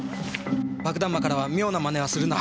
爆弾魔からは「妙な真似はするな」